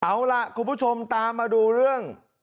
เอาล่ะคุณผู้ชมตามมาดูเรื่อง